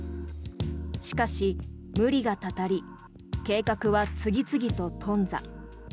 しかし、無理がたたり計画は次々と頓挫。